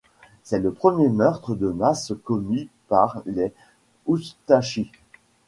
C'est le premier meurtre de masse commis par les Oustachis.